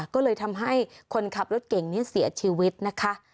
ก็เลยทำให้คนขับรถเก่งนี้เสียชีวิตนะคะ